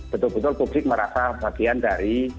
betul betul publik merasa bagian dari